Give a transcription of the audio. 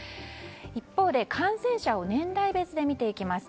一方、感染者を年代別で見ていきます。